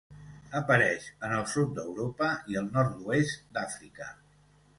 Apareix en el sud d'Europa i el nord-oest d'Àfrica.